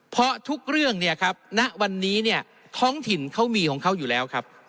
เพราะทุกเรื่องเนี่ยครับณวันนี้เนี่ยท้องถิ่นเขามีของเขาอยู่แล้วครับ